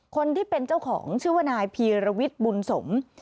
คนที่เป็นเจ้าของชื่อว่านายพีรวิทย์บุญสม